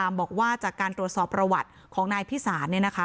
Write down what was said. การประพราบบอกว่าจากการตรวจสอบประวัติของนายพิสาร